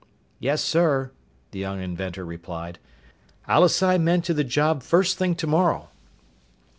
"Yes, sir," the young inventor replied. "I'll assign men to the job first thing tomorrow."